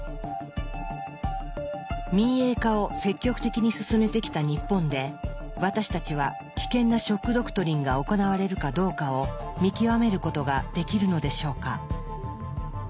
民営化を積極的に進めてきた日本で私たちは危険な「ショック・ドクトリン」が行われるかどうかを見極めることができるのでしょうか？